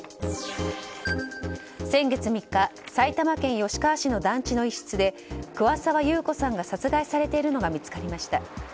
先月３日、埼玉県吉川市の団地の一室で桑沢優子さんが殺害されているのが見つかりました。